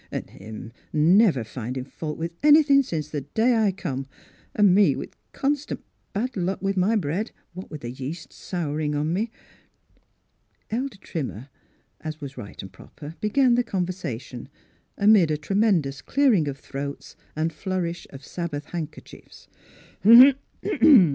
" An' him a never findin' fault with anythin' since the day I come, Miss Fhilura's Wedding Gown an' me with constant bad luck with my bread, what with the yeast sourin' on me." Elder Trimmer, as was right and proper, began the conversation, amid a tre mendous clearing of throats and flourish of Sabbath handkerchiefs.